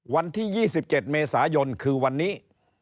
วันที่๒๗เมษายนคือวันนี้